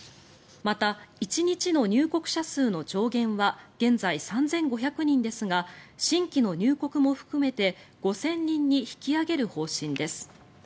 また、１日の入国者数の上限は現在３５００人ですが新規の入国も含めて５０００人に引き上げる方針です。